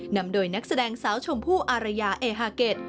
นำโดยนักแสดงสาวชมพู่อารยาเอฮาเก็ต